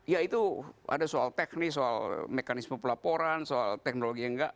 ya itu ada soal teknis soal mekanisme pelaporan soal teknologi yang enggak